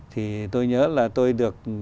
thì tôi nhớ là tôi được